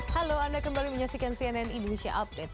halo anda kembali menyaksikan cnn indonesia update